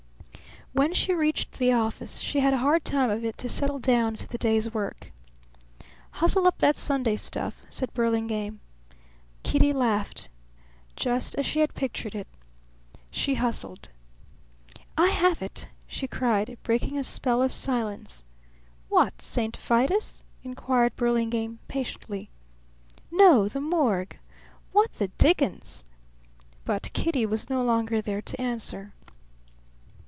When she reached the office she had a hard time of it to settle down to the day's work. "Hustle up that Sunday stuff," said Burlingame. Kitty laughed. Just as she had pictured it. She hustled. "I have it!" she cried, breaking a spell of silence. "What St. Vitus?" inquired Burlingame, patiently. "No; the Morgue!" "What the dickens !" But Kitty was no longer there to answer.